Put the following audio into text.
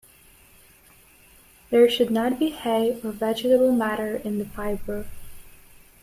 There should not be hay or vegetable matter in the fibre.